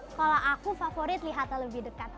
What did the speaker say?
kalau aku favorit lihatnya lebih dekat